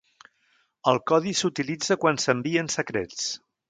El codi s'utilitza quan s'envien secrets.